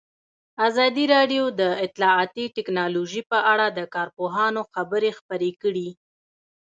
ازادي راډیو د اطلاعاتی تکنالوژي په اړه د کارپوهانو خبرې خپرې کړي.